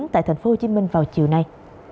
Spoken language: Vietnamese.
tại thành phố hồ chí minh vào chiều nay